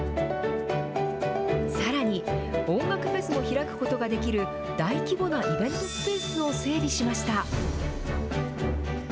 さらに音楽フェスも開くことができる大規模なイベントスペースを整備しました。